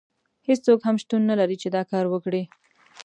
هیڅوک هم شتون نه لري چې دا کار وکړي.